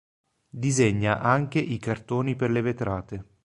Disegna anche i cartoni per le vetrate.